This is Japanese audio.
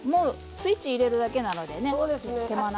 スイッチ入れるだけなんで。